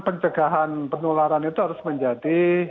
pencegahan penularan itu harus menjadi